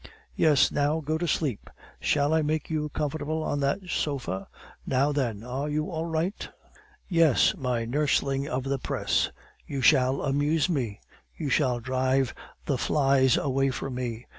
"Yes now go to sleep. Shall I make you comfortable on that sofa? Now then, are you all right?" "Yes, my nursling of the press. You shall amuse me; you shall drive the flies away from me.